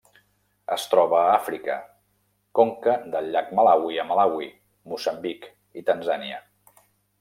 Es troba a Àfrica: conca del llac Malawi a Malawi, Moçambic i Tanzània.